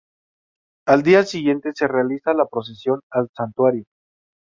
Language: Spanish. Al día siguiente se realiza la procesión al santuario.